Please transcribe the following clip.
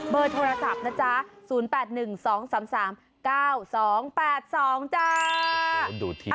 โทรศัพท์นะจ๊ะ๐๘๑๒๓๓๙๒๘๒จ้า